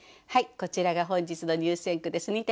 はいこちらが本日の入選句です。